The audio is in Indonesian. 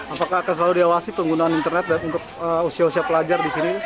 apakah akan selalu diawasi penggunaan internet untuk usia usia pelajar di sini